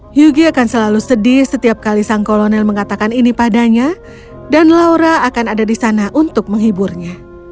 hyugi akan selalu sedih setiap kali sang kolonel mengatakan ini padanya dan laura akan ada di sana untuk menghiburnya